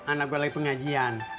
anak gua lagi pengajian